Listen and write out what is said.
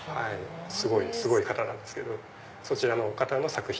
すごい方なんですけどそちらの方の作品。